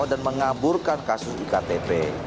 dan mengaburkan kasus iktp